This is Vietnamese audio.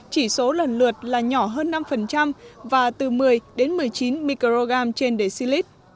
chỉ số lần lượt là nhỏ hơn năm và từ một mươi đến một mươi chín microgram trên decilit